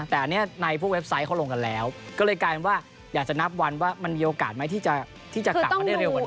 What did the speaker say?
แต่อันนี้ในพวกเว็บไซต์เขาลงกันแล้วก็เลยกลายเป็นว่าอยากจะนับวันว่ามันมีโอกาสไหมที่จะกลับมาได้เร็วกว่านี้